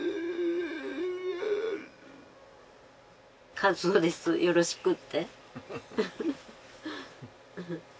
「『一男ですよろしく』って」